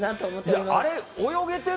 いや、あれ泳げてる？